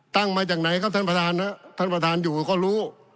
มาจากไหนครับท่านประธานท่านประธานอยู่ก็รู้